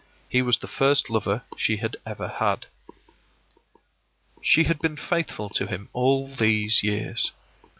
He was the first lover she had ever had. She had been faithful to him all these years.